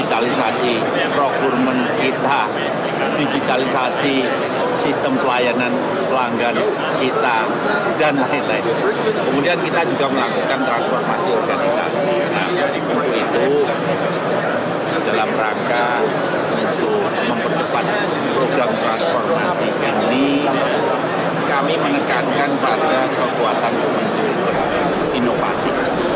nah dikumpul itu dalam rangka sempurna mempercepat program transformasi jadi kami menekankan pada kekuatan kemenjualan inovasi